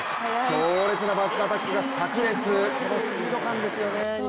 強烈なバックアタックがさく裂、このスピード感ですね。